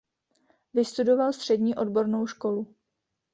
Vystudoval střední odbornou školu.